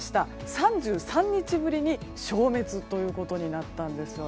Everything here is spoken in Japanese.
３３日ぶりに消滅ということになったんです。